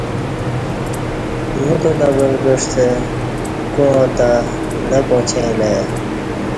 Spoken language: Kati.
نوتات ابل کعستہ کوعاں تہ نہ پاچیں اہ لہ ای